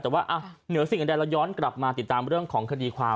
แต่ว่าเหนือสิ่งใดเราย้อนกลับมาติดตามเรื่องของคดีความ